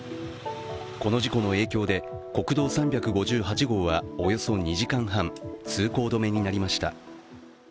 この事故の影響で国道３５８号はおよそ２時間半通行止めになりました。